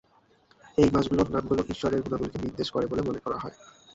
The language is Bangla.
এই মাসগুলোর নামগুলো ঈশ্বরের গুণাবলিকে নির্দেশ করে বলে মনে করা হয়।